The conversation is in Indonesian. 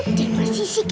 ini masih sik